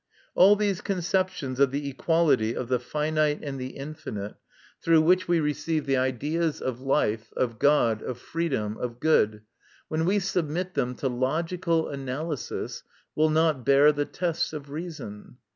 All these conceptions of the equality of the finite and the infinite, through which we receive MY CONFESSION. 91 the ideas of life, of God, of freedom, of good, when we submit them to logical analysis, will not bear the tests of reason.